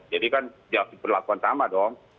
jadi kan berlakuan sama dong